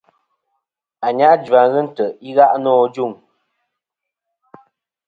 Ànyajua ghɨ ntè' i gha' nô ajuŋ.